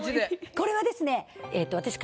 これはですね